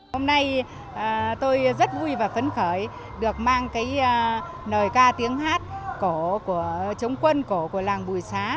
hôm nay tôi rất vui và phấn khởi được mang nời ca tiếng hát của chống quân của làng bùi xá